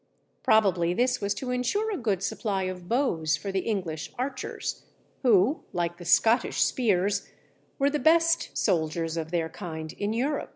Probably this was to ensure a good supply of bows for the English archers, who, like the Scottish spears, were the best soldiers of their kind in Europe.